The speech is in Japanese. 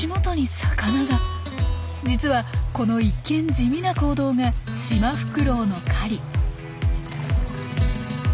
実はこの一見地味な行動がシマフクロウの狩り。